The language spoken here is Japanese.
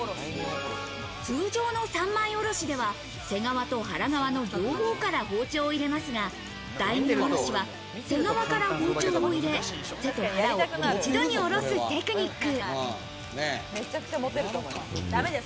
通常の３枚おろしでは、背川と腹側の両方から包丁を入れますが、大名おろしは背側から包丁を入れ、背と腹を一度におろすテクニック。